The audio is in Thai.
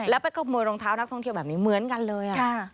แล้วไปขโมยรองเท้านักท่องเที่ยวแบบนี้เหมือนกันเลย